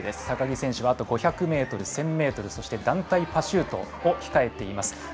高木選手は５００ｍ、１０００ｍそして団体パシュートを控えています。